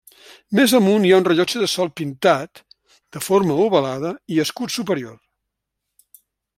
Més amunt hi ha un rellotge de sol pintat, de forma ovalada i escut superior.